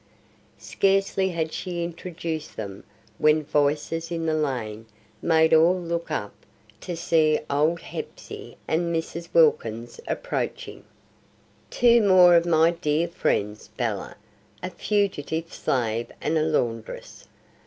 Scarcely had she introduced them when voices in the lane made all look up to see old Hepsey and Mrs. Wilkins approaching. "Two more of my dear friends, Bella: a fugitive slave and a laundress.